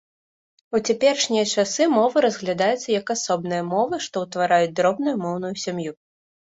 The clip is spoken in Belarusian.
У цяперашнія часы мовы разглядаюцца як асобныя мовы, што ўтвараюць дробную моўную сям'ю.